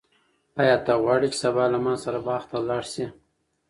آیا ته غواړې چې سبا له ما سره باغ ته لاړ شې؟